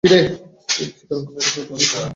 তিনি চিত্রাঙ্কনের এক নতুন বিষয়ের সন্ধান পান।